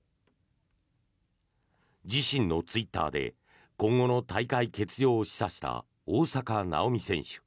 自身のツイッターで今後の大会欠場を示唆した大坂なおみ選手。